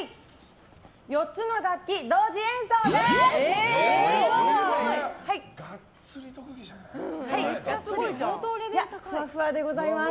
４つの楽器同時演奏です。